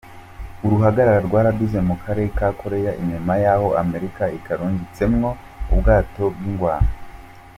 Uruhagarara rwaraduze mu karere ka Korea inyuma yaho Amerika ikarungitsemwo ubwato bw'ingwano.